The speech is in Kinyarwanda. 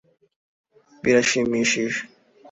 birashimishije